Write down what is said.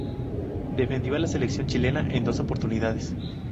Defendió la selección chilena en dos oportunidades.